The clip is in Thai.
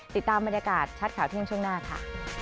ติดตามบรรยากาศชัดข่าวเที่ยงช่วงหน้าค่ะ